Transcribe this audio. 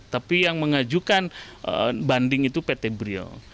tapi yang mengajukan banding itu pt brio